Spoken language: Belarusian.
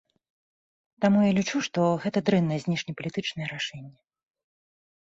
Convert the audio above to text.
Таму я лічу, што гэта дрэннае знешнепалітычнае рашэнне.